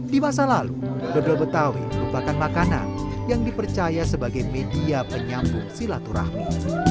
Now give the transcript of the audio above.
di masa lalu dodol betawi merupakan makanan yang dipercaya sebagai media penyambung silaturahmi